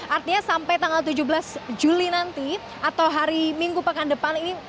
artinya sampai tanggal tujuh belas juli nanti atau hari minggu pekan depan ini